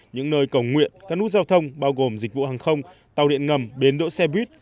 những nơi cầu nguyện các nút giao thông bao gồm dịch vụ hàng không tàu điện ngầm bến đỗ xe buýt